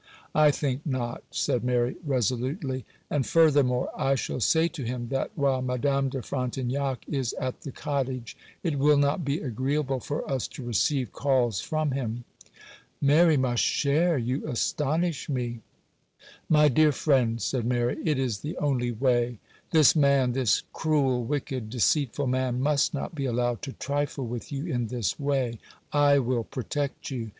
'I think not,' said Mary, resolutely; 'and furthermore I shall say to him that, while Madame de Frontignac is at the cottage, it will not be agreeable for us to receive calls from him.' 'Mary, ma chère, you astonish me!' 'My dear friend,' said Mary, 'it is the only way. This man,—this cruel, wicked, deceitful man,—must not be allowed to trifle with you in this way. I will protect you.